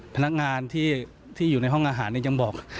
พนักงานที่อยู่ในห้องอาหารยังบอก